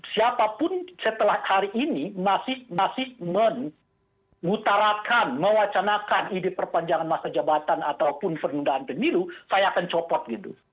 siapapun setelah hari ini masih mengutarakan mewacanakan ide perpanjangan masa jabatan ataupun penundaan pemilu saya akan copot gitu